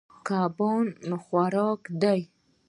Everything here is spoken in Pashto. کبان خوراک دي.